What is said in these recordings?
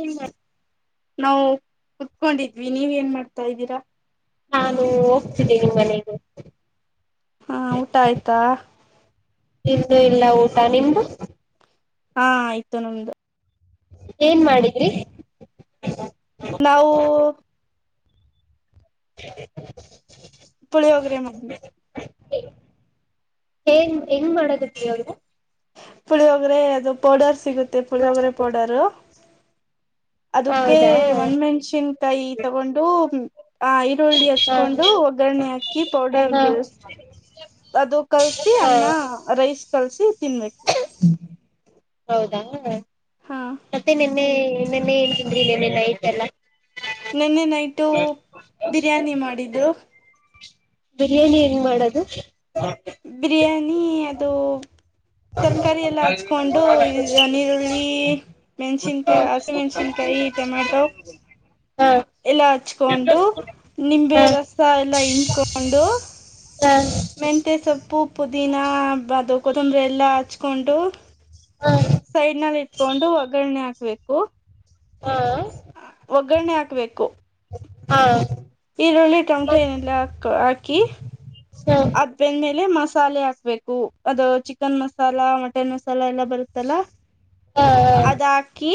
ಏನ್ ನಾವು ಕುತ್ಕೊಂಡಿದ್ವಿ ನೀವ್ ಏನ್ ಮಾಡ್ತ ಇದಿರಾ ನಾನು ಹೋಗ್ತಿದ್ದೇನೆ ಮನೆಗೆ. ಹಾ ಊಟ ಆಯ್ತಾ. ಇನ್ನು ಇಲ್ಲ ಊಟ ನಿಮ್ದು. ಹಾ ಆಯ್ತು ನಮ್ದು ಏನ್ ಮಾಡಿದ್ರಿ. ನಾವೂ. [inaudible] ಪುಳಿಯೋಗ್ರೆ ಮಾಡಿದ್ವಿ ಹೆಂಗ್ ಹೆಂಗ್ ಮಾಡ್ಕಕತ್ರಿ ಅವ್ರು ಪುಳಿಯೋಗ್ರೆ. ದು ಪೌಡರ್ ಸಿಗುತ್ತೆ. ಪುಳಿಯೋಗರೆ ಪೌಡರು. ಅದಕ್ಕೆ ಹೌದಾ ಒಣಮೆಣಸಿನ್ಕಾಯಿ ತಗೊಂಡು ಆ ಈರುಳ್ಳಿ ಹಾ ಹಚ್ಕೊಂಡು ಒಗ್ಗರಣೆ ಹಾಕಿ ಪೌಡರ್ ಹಾ ಅದು ಕಲ್ಸಿ ಹಾ ಅನ್ನ ರೈಸ್ ಕಳಸಿ ತಿನ್ಬೇಕು ಹೌದಾ ಹಾ ಮತ್ತೆ ನಿನ್ನೆ ೆನ್ನೆ ನ್ ತಿಂದ್ರಿ ಇಲ್ಲೇನೆ ಐತಲ್ಲ ನಿನ್ನೆ ನೈಟು ಬಿರಿಯಾನಿ ಮಾಡಿದ್ರು ಬಿರಿಯಾನಿ ಹೆಂಗ್ ಮಾಡದು ಬಿರಿಯಾನಿ ಅದು ತರ್ಕಾರಾರಿ ಎಲ್ಲ ಹಚ್ಕೊಂಡು ಇದ ನೀರುಳ್ಳಿ ಹಾ ಮೆಣಸಿನ್ಕಾಯಿ ಹಸಿಮೆಣ್ಸಿನ್ಕಾಯಿ ಟೊಮೆಟೊ ಹಾ ಎಲ್ಲಾ ಹಚ್ಕೊಂಡು ನಿಂಬೆ ಹಾ ಹಾ ಹಾ ಹಾ ಹಾ ರಸ ಎಲ್ಲಾ ಇಂಡಕೊಂಡು ಹಾ ಮೆಂತೆ ಸೊಪ್ಪ ಉಪ್ಪು ಪುದೀನ ಅದು ಕೊತ್ತಂಬರಿ ಎಲ್ಲ ಹಚ್ಕೊಂಡು ಸರಿ ನ ಕಕೊಂಡು ಒಗ್ಗರಣೆ ಹಾಕ್ಬೇಕು ಹಾ ಒಗ್ಗರಣೆ ಹಾಕ್ಬೇಕು ಹಾ ಈರುಳ್ಳಿ ಟಮಟ ಹಾ ಏನೆಲ್ಲಾ ಹಾಕ ಹಾಕಿ. ಅಬನ್. ೇಲೆ ಮಸಾಲೆ ಹಾಕ್ಬೇಕು ಅದು ಚಿಕನ್ ಮಸಾಲ ಮಟನ್ ಮಸಾಲ ಎಲ್ಲ ಬರುತ್ತಲ್ಲ ಅದ ಹಾಕಿ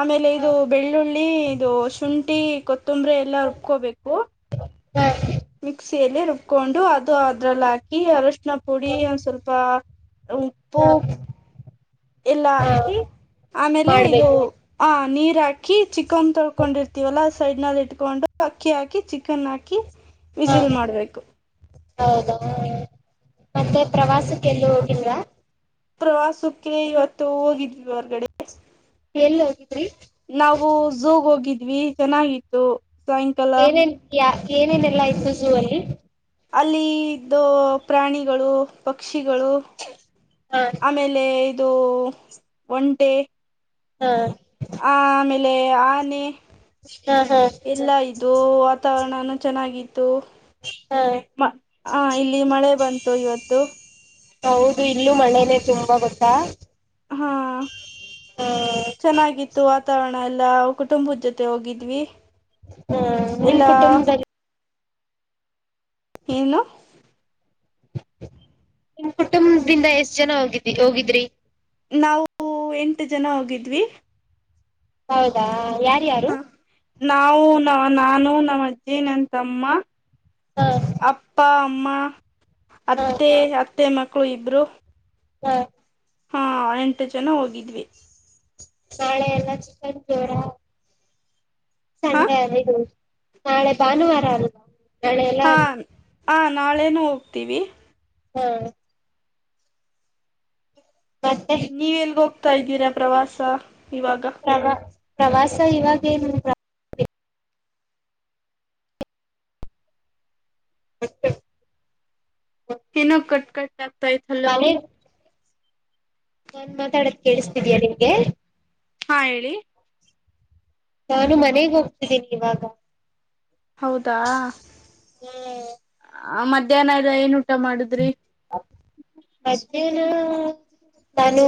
ಆಮೇಲೆ ಇದು ಬೆಳ್ಳುಳ್ಳಿ ಇದು ಶುಂಠಿ ಕೊತ್ತಂಬರಿ ಎಲ್ಲಾ ರುಬ್ಕೋಬೇಕು. ಮಿಕ್ಸಿಯಲ್ಲಿ ರುಬ್ಕೊಂಡು ಅದು ಅದ್ರಲ್ಲಿ ಹಾಕಿ ಅರಶಿನ ಪುಡಿ ಒಂದ ಸ್ವಲ್ಪ ಉಪ್ಪು. ಎಲ್ಲಾ ಹಾ ಹಾಕಿ. ಆಮೇಲೆ ಇದು ಮಾಡ್ಬೇಕು ಆ ನೀರ. ಹಾಕಿ ಚಿಕನ್ ತೊಳ್ಕೊಂಡಿರ್ತೀವಲ್ಲಾ ಸೈಡ್ನಲ್ಲಿ ಇಟ್ಕೊಂಡು ಅಕ್ಕಿ ಹಾಕಿ ಚಿಕನ್ ಹಾಕಿ ಹಾ ಬಿಸಿಲ್ ಮಾಡ್ಬೇಕು ಹೌದಾ ಮತ್ತೆ ಪ್ರವಾಸಕ್ಕೆ ಎಲ್ಲ ಹೋಗಿಲ್ವಾ. ಪ್ರವಾಸಕ್ಕೆ ಇವತ್ತು ಹೋಗಿದ್ವಿ ಹೊರ್ಗಡೆ. ಎಲ್ಲಿ ಹೋಗಿದ್ರಿ. ನಾವು ಝೂಗ್ ಹೋಗಿದ್ವಿ ಚೆನ್ನಾಗಿತ್ತು. ಸಾಯಂಕಾಲ ಏನೇನ್ ಯ ಏನೇನೆಲ್ಲಾ ಇಯತು ಝೂ ಅಲ್ಲಿ. ಅಲ್ಲಿ ಇದ್ದು ಪ್ರಾಣಿಗಳು ಪಕ್ಷಿ ಗಳು ಹಾ ಆಮೇಲೆ. ಇದು ಒಂಟೆ. ಹಾ ಆ [unintelligible] ಆಮೇಲೆ ಆನೆ ಹ್ಮ ಹ್ಮ್ [unintelligible] ದು ವಾತಾವರಣನ ಚೆನ್ನಾಗಿತ್ತು ಹಾ [unintelligible] ಹ ಇಲ್ಲಿ ಮಳೆ ಬಂತು ಇವತ್ತು ಹೌದು ಇಲ್ಲೂ ಮಳೆನೆೇ ತುಂಬಾ ಗೊತ್ತಾ ಹ್ಮ್ ಹ್ಮ ಚೆನ್ನಾಗಿತ್ತು ವಾತಾವರಣ ಎಲ್ಲಾ ಕುಟುಂಬದ ಜೊತೆ ಹೋಗಿದ್ವಿ ಹ್ಮ್ ನಿನ್ ಎಲ್ಲಾ ಕುಟುಂಬ [unintelligible] ಏನು ನಿಮ್ ಕುಟುಂಬದಿಂದ ಎಷ್ಟ್ ಜನ ಹೋಗಿದಿ ಹೋಗಿದ್ರಿ ನಾವು ಎಂಟು ಜನ ಹೋಗಿದ್ವಿ ಹೌದಾ ಹ ಯಾರ್ಯಾರು ನಾವು ನಾನು ನಮ್ಮ್ ಅಜ್ಜಿ ನನ್ ತಮ್ಮ ಹಾ ಅಪ್ಪ ಅಮ್ಮ ಹಾ ಅತ್ತೆ ಮತ್ತೆ ಮಕ್ಕಳು ಇಬ್ರು ಹಾ ಹಾ ಎಂಟು ಜನ ಹೋಗಿದ್ವಿ ನಳೆ ಎಲ್ಲ ಚಿಕನ್ ಪೋರ ಹಾ ಸಂಡೆ ಅದದು ನಾಳೆ ಭಾನುವಾರ ಅಲ್ವಾ ನಾಳೆ ಎಲ್ಲ ಹ ನಾಳೆನ ಹೋಗ್ತೀವಿ ಹ್ಮ [unintelligible] ಮತ್ತೆ ನೀವ ಎಲ್ಲಿ ಹೋಗ [unintelligible] ತ ಇದ್ದೀರಾ ಪ್ರವಾಸ ಇವಾಗ ಪ್ರವಾ ಪ್ರವಾಸ ಇವಾಗೇ ಹತ್ತ ನೋ ಕಟ್ ಕಟ್ಟ ತಾಯಲ್ಲ ನಾನ್ ಮಾತಾಡೋದ ಕೇಳಿಸತಿದಯ ನಿಂಗೆ ಹಾ ಹೇಳಿ ನಾನು ಮನೆಗ್ ಹೋಗ್ತಿದ್ದೀನಿ ಇವಾಗ ಹೌದಾ. ಆ ಮಧ್ಯಾಹ್ನ ಇದೆ ಏನ್ ಊಟ ಮಾಡಿದ್ರಿ ಮಧ್ಯಾಹ್ನ ನಾನು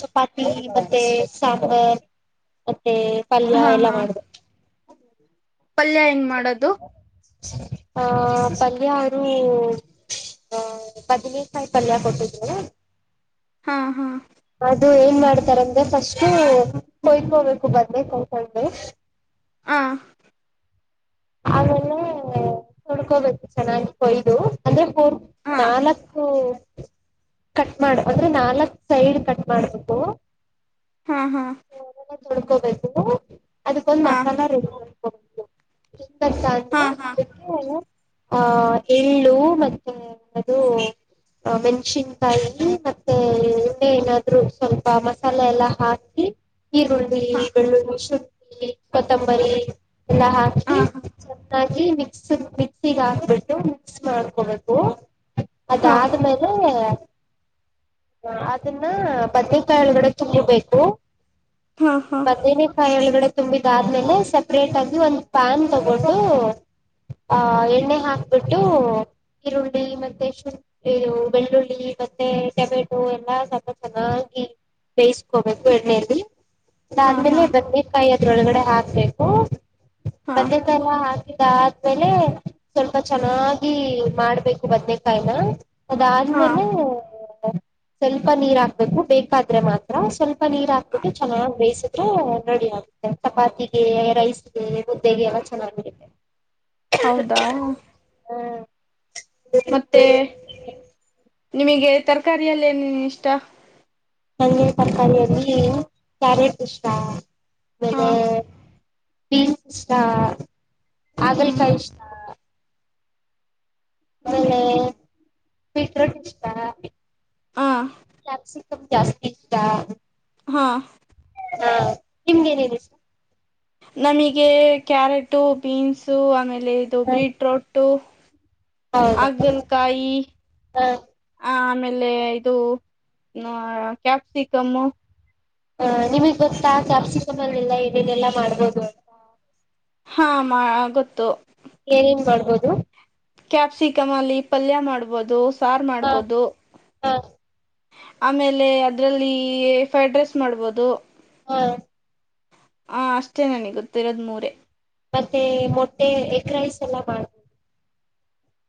ಚಪಾತಿ ಮತ್ತೆ ಸಾಂಬಾರ್ ಮ ಮತ್ತೆ ಪಲ್ಲ ಹಾ ಎಲ್ಲಾ ಹಾ ಮಾಡ್ಬೇಕ ಪಲ್ಯ ಹೆಂಗ್ ಮಾಡೋದು ಆಹ ಪಲ್ಯರು ಆ ಪದನೇ ಕಾಯಿ ಪಲ್ಯ ಕೊಟ್ಟಿದ್ವಲ್ಲ. ಹಾ ಹಾ ಇದು ಏನ್ ಮಾಡ್ತಾರ ಅಂದ್ರೆ ಫಸ್ಟು ಹೊಯ್ತ್ಕೋಬೇಕು ಬಂದೆ ಕಳ್ಕೊಂಡೆ. ಹ. ಆಲ್ಲೇ ತಡ್ಕೋಬೇಕು ಚೆನ್ನಾಗಿ ಕೊಯ್ದು ಅಂದ್ರೆ [unintelligible] ನಾಲ್ಕು ಕಟ್ ಮಾಡ ಅಂದ್ರೆ ನಾಲ್ಕ್ ಸೈಡ್ ಕಟ್ ಮಾಡ್ಬೇಕು ಹಾ ಹಾ ತಡ್ಕೋಬೇಕು ಅದಕ್ಕೊಂದ್ ಹಾ ಮಸಾಲ ರೇ [unintelligible] [unintelligible] ತರ್ತ್ರೆ ಹಾ ಹಾ ಅದಕ್ಕೆ ಆಹ ಎಳ್ಳು ಮತ್ತೆ ಏನೂ ಮೆಣಸಿನ್ಕಾಯಿ ಮತ್ತೆ ಎಣ್ಣೆ ಏನಾದ್ರು ಸ್ವಲ್ಪ ಮಸಾಲೆ ಎಲ್ಲ ಹಾಕಿ ಈರುಳ್ಳಿ ಬೆಳ್ಳುಳ್ಳಿ ಸೂ [unintelligible] ಕೊತ್ತಂಬರಿ ಅಲ್ಲ ಅಕ್ಕಿ ಹಾ ಹಾ ಮಿಕ್ಸ್ ಮಿಕ್ಸಿ ಹಾಕ್ಬಿಟ್ಟು ಮಿಕ್ಸ್ ಮಾಡ್ಕೊಬೇಕು ಹಾ ಹಾ ಅದಾದ್ಮೇಲೆ ಅದನ್ನ ಬದನೆಕಾಯಿ ಒಳಗಡೆ ತುಂಬಬೇಕು ಹಾ ಹಾ ಹಾ ಬದನೆಕಾಯಿ ಒಳಗಡೆ ತುಂಬಿದಾದ್ಮೇಲೆ ಸಪ್ರೇಟ್ ಆಗಿ ಒಂದ ಪ್ಯಾನ್ ತಗೊಟ್ಟು ಆ ಎಣ್ಣೆ ಹಾಕ್ಬಿಟ್ಟು ಈರುಳ್ಳಿ ಮತ್ತೆ ಶುಂ ಇದು ಬೆಳ್ಳುಳ್ಳಿ ಮತ್ತೆ ಟೊಮೆಟೊ ಎಲ್ಲಾ ಸ್ವಲ್ಪ ಚೆನ್ನಾಗಿ ಬೇಯಿಸಕೋಬೇಕು ಎಣ್ಣೆಯಲ್ಲಿ ಹಾ ಹಾ ಅದಾದ್ಮೇಲೆ ಬಂದ ಕಾಯಿ ಹೊಲಗಡೆ ಹಾಕ್ಬೇಕು ಹಾ ಮದತ ಎಲ್ಲ ಹಾಕ ಅಾದ್ಮೇಲೆ ಸ್ವಲ್ಪ ಚೆನ್ನಾಗಿ ಮಾಡ್ಬೇಕು ಬದ್ನೆಕಾಯಿನ ಅದ ಹಾ ಆದ್ಮೇಲೆ ಸ್ವಲ್ಪ ನೀರ್ ಹಾಕ್ಬೇಕು ಬೇಕಾದ್ರೆ ಮಾತ್ರ ಸ್ವಲ್ಪ ನೀರ್ ಹಾಕ್ಬಿಟ್ಟು ಚೆನ್ನಾಗ್ ಬೇಯಿಸಿದ್ರೆ ರೆಡಿ ಆಗುತ್ತೆ ಚಪಾತಿಗೆ ರೈಸ್ ಸೇ ಮ್ದೆಗೆ ಎಲ್ಲ ಚೆನ್ನಾಗಿರುತ್ತೆ ಹೌದಾ [unintelligible] ಹ್ಮ ಮತ್ತೆ ನಿಮಗೆ ತರಕಾರಿಯಲ್ಲೇ ಏನೇನ ಇಷ್ಟ. ನಂಗೆ ತರಕಾರಿಯಲ್ಲಿ ಕ್ಯಾರೆಟ್ ಇಷ್ಟ. ಮೇ ಹಾ ಪೀಸ್ ಇಷ್ಟ ಹ್ಮ್ ಹಾಗ್ಲ್ಕಾಯ ಇಷ್ಟ. ಬೀಟ್ರೂಟ್ ಇಷ್ಟ. ಹ ಕ್ಯಾಪ್ಸಿಕಂ ಜಾಸ್ತಿ ಇಷ್ಟ ಹಾ ಹಾ ನಿಮ್ಗೆ ಏನೇನ ಇಷ್ಟ. ನಮಗೆ ಕ್ಯಾರೆಟು ಬೀನ್ಸ್ ಆಮೇಲೆ ಇಲ್ಲಿ ಇದು ಬೀಟ್ರೂಟ್ ಹೌದಾ ಹಾಗಲ್ಕಾಯಿ ಹ ಆ ಆಮೇಲೆ ಇದು ಕ್ಯಾಪ್ಸಿಕಮ್. ಹ ನಿಮಗ್ ಗೊತ್ತಾ ಕ್ಯಾಪ್ಸಿಕಮಲ್ಲಿ ಎಲ್ಲ ಏನೇನೆಲ್ಲಾ ಮಾಡ್ಬೋದು ಅಂತ. ಹಾ ಮಾ ಗೊತ್ತು ಏನನ್ ಮಾಡ್ಬೋದು. ಕ್ಯಾಪ್ಸಿಕಮ್ ಅಲ್ಲಿ ಪಲ್ಯ ಮಾಡ್ಬೋದು ಸಾರು ಹಾ ಮಾಡ್ಬೋದು. ಹ ಆಮೇಲೆ ಅದ್ರಲ್ಲಿ ಫ್ರೈಡ್ ರೈಸ್ ಮಾಡ್ಬೋದು. ಹಾ ಹ ಅಷ್ಟೇ ನನಗೆ ಗೊತ್ತಿರೋದ್ ಮೂರೆ ಮತ್ತೆ ಮೊಟ್ಟೆ ಎಗ್ ರೈಸ್ ಎಲ್ಲ ಮಾಡಬಹುದು.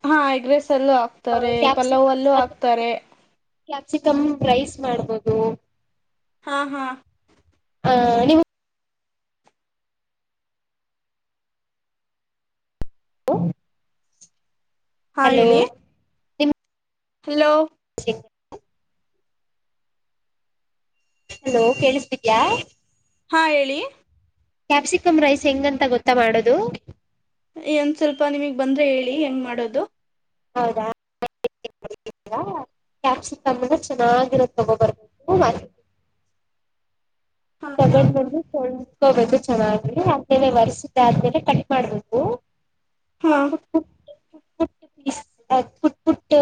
ಹಾ ಎಗ್ ರೈಸ್ ಲ್ಲೂ ಹಾಕ್ತಾರೆ ಕ್ಯಾಪ್ಸಿ ಪಲ್ಲವ್ಲ್ಲೂ ಮತ್ತೆ ಹಾಕ್ತಾರೆ ಕ್ಯಾಪ್ಸಿಕಮ್ ರೈಸ್ ಮಾಡ್ಬೋದು. ಹಾ ಹಾ ಹಾ ನೀವು ಹ ಹಾ ಹೇಳಿ. ನಿಮ್ ಹಲೋ ಹಲೋ ಕೇಳಿಸದಿದ್ಯಾ ಹಾ ಹೇಳಿ ಕ್ಯಾಪ್ಸಿಕಮ್ ರೈಸ್ ಹೆಂಗಂತ ಗೊತ್ತಾ ಮಾಡೋದು. ಒಂದ್ ಸ್ವಲ್ಪ ನಿಮಗ್ ಬಂದ್ರೆ ಹೇಳಿ ಹೆಂಗ್ ಮಾಡೋದು. ಹೌದಾ ಕ್ಯಾಪ್ಸಿ ಕಮ್ಮ ಚೆನ್ನಾಗಿರೋ ತಗೋಬರ್ಬೇಕ. ಹಾ ಸಗಡ್ ಬು ಸ ಕೋಬೇಕು ಚೆನ್ನಾಗಿ ಆಮೇಲೆ ಒರ್ಸುತ್ತೆ ಆದ್ಮೇಲೆ ಕಟ್ ಮಾಡ್ಬೇಕು. ಹಾ ಹ ಪೀಸ್ ಪುಟ್ ಪುಟ್ಟ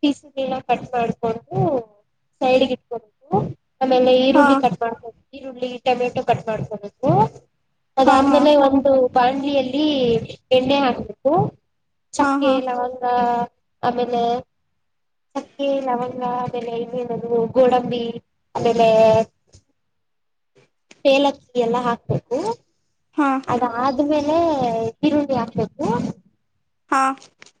ಪೀಸಗಳಲ್ಲ ಕಟ್ ಮಾಡ್ಕೊಂಡು ಸೈಡ್ಗೆ ಇಟ್ಕಬೇಕು. ಆಮೇಲೆ ಈರುಳ್ಳಿ ಹಾ ಕಟ್ ಮಾಡ್ಕೋು. ಈರುಳ್ಳಿ ಟೊಮೆಟೊ ಕಟ್ ಮಾಡ್ಕೊಬೇಕು. ಹಾ ಅದಾದ್ಮೇಲೆ ಒಂದು. ಬಾಣಲಿಯಲ್ಲಿ ಎಣ್ಣೆ ಹಾಕ್ಬೇಕು. ಹಾ ಚಕ್ಕೆ ಹಾ ಲವಂಗ. ಆಮೇಲೆ ಚಕ್ಕೆ ಲವಂಗ ಆಮೇಲೆ ಇನ್ನೇನೂ ಗೋಡಂಬಿ ಆಮೇಲೆ. ಏಲಕ್ಕಿ ಎಲ್ಲ ಹಾಕ್ಬೇಕು. ಹಾ ಅದಾದ್ಮೇ ಯೇ ಇರುಳ್ಳಿ ಹಾಕ್ಬೇಕು. ಹಾ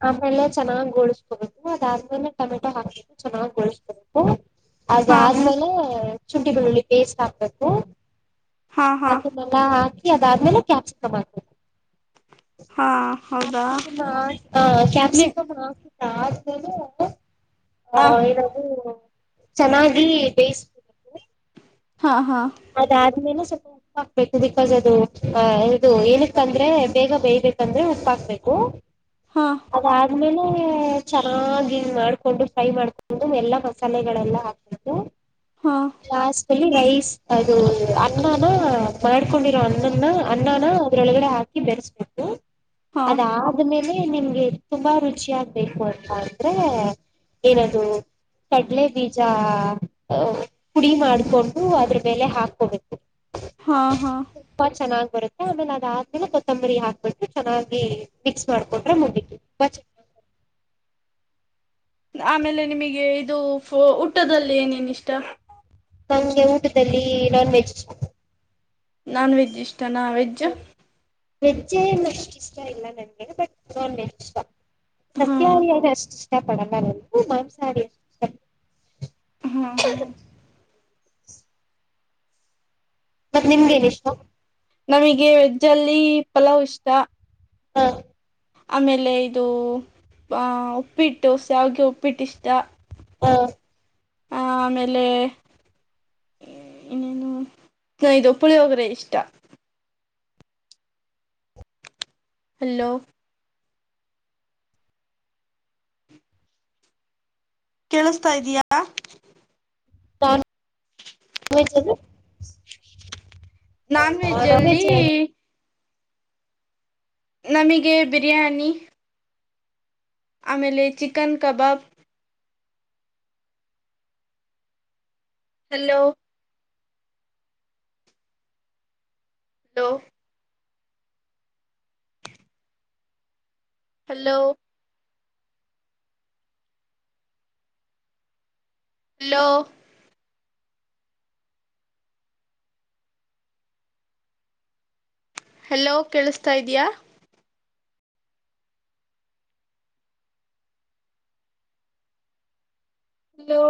ಆಮೇಲೆ ಚೆನ್ನಾಗ್ ಗೋಳಸ್ಕೋಬೇಕು ಅದಾದ್ಮೇಲೆ ಟೊಮೆಟೊ ಹಾಕ್ಬೇಕು ಚೆನ್ನಾಗ್ ಗೋಳಿಸಸ್ಕೋಬೇಕು. ಹಾ ಅದಾದ್ಮೇಲೆ. ಶುಂಠಿ ಬೆಳ್ಳುಳ್ಳಿ ಪೇಸ್ಟ್ ಹಾಕ್ಬೇಕು. ಹಾ ಹಾ ಹಾ ಹಾ ಅದುನ್ನೆಲ್ಲ ಅಕಿ. ಅದಾದ್ಮೇಲೆ ಕ್ಯಾಪ್ಸ್ ಕಮ್ಬೇಕು. ಹಾ ಹೌದಾ. ನೀ ಕ್ಯಾಪ್ಸಿಕಂ [unintelligible] ಅದಾದ್ಮೇಲೆ. ಆ ಹ ಏನಾದೂ. ಚೆನ್ನಾಗಿ ಬೇಯಿಸಬೇಕು. ಹಾ ಹಾ ಅದಾದ್ಮೇಲೆ ಸ್ವಲ್ಪ ಉಪ್ಪ ಹಾಕ್ಬೇಕು ಬಿಕಾಸ್ ಅದು ಅ ಇದು ಏನಕ್ಕಂದ್ರೆ ಬೇಗ ಬೇಯ್ಬೇಕಂದ್ರೆ ಉಪ್ಪಾಕ್ಬೇಕು ಹಾ ಅದ್ಮೇಲೆ ಚೆನ್ನಾಗಿ ಮಾಡ್ಕೊಂಡು ಫ್ರೈ ಮಾಡ್ಕೊಂಡು ಎಲ್ಲಾ ಮಸಾಲೆಗಳೆಲ್ಲ ಹಾಕಬೇಕು. ಹಾ ಲಾಸ್ಟಲ್ಲಿ ರೈಸ್. ಅದು ಅನ್ನನ ಮಾಡ್ಕೊಂಡಿರೋ ಅಣ್ಣನ ಅನ್ನನ ಅದ್ರೊಳಗಡೆ ಹಾಕಿ ಬೆರೆಸ್ಬೇಕು. ಹಾ ಅದಾದ್ಮೇಲೆ. ನಿಮ್ಗೆ ತುಂಬಾ ರುಚಿಯ ಆಗ್ಬೇಕು ಅಂತ ಅಂದ್ರೆ ಏನದು ಕಡಲೆ ಬೀಜ ಪುಡಿ ಮಾಡ್ಕೊಂಡು ಅದ್ರ. ಬೆಲೆ ಹಾಕೋಬೇಕು. ಹಾ ಹಾ ತುಂಬಾ ಚೆನ್ನಾಗ್ ಬರುತ್ತೆ ಆಮೇಲೆ ಅದಾದ್ಮೇಲೆ ಕೊತ್ತಂಬರಿ ಹಾಕ್ಬಿಟ್ರೆ ಚೆನ್ನಾಗಿ ಮಿಕ್ಸ್ ಮಾಡಕೊಟ್ರೆ ಮುಗಿತು. ಆಮೇಲೆ ನಿಮಗೆ ಇದು ಊಟದಲ್ಲಿ ಏನೇನ ಇಷ್ಟ. ನಮಗೆ ಊಟದಲ್ಲಿ ನಾನ್ ವೆಜ್. ನಾನ್ ವೆಜ್ ಇಷ್ ಚನ ವೆಜ್. ವೆಜ್ಜ ಏನ್ ಅಷ್ಟು ಇಷ್ಟ ಇಲ್ಲ ನನ್ಗೆ ಬಟ್ ನಾನ್ ವೆಜ್ ಇ ಹಾ ಸಸ್ಯ ಅಷ್ಟ ಪಡಲ್ಲ ಮಾಂಸಾರಿ ಹ್ಮ ಹಾ ಮತ್ತತ್ ನಿಮ್್ದೇನಷ್ಟು ನಮಗೆ ವೆಜ್ ಅಲ್ಲಿ ಪಲಾವ್ ಇಷ್ಟ ಹಾ ಆಮೇಲೆ ಇದು ಆ ಉಪ್ಪಿಟ್ಟು ಸಾವ್ಿಗೆ ಉಪ್ಪಿಟ್ಟು ಇಷ್ಟ ಹಾ ಆ ಆಮೇಲೆ ಇನ್ನೇನು ಇಪ್ಪುಳಿ ಹೋಗ್ರೆ ಇಷ್ಟ ಹಲೋ ಕೇಳಿಸತಾ ಇದಯಾ ತ ನಾನ್ ವೆಜ್ ಅಲ್ಲಿ ನಮಗೆ ಬಿರಿಯಾನಿ ಆಮೇಲೆ chicken kebab hello hello hello hello hello ಕೇಳಿಸ್ತಾ ಇದ್ಯಾಾ ಹಲೋ